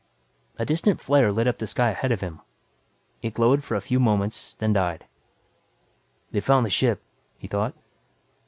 A distant flare lit up the sky ahead of him. It glowed for a few moments and died. They've found the ship, he thought.